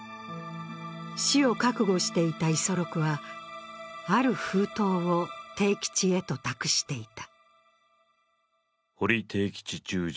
死を覚悟していた五十六は、ある封筒を悌吉へと託していた。